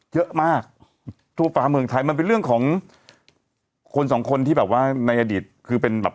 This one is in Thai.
เยอะมากทั่วฟ้าเมืองไทยมันเป็นเรื่องของคนสองคนที่แบบว่าในอดีตคือเป็นแบบ